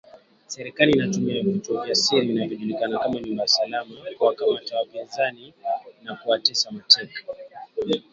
Serikali inatumia vituo vya siri vinavyojulikana kama nyumba salama kuwakamata wapinzani na kuwatesa mateka.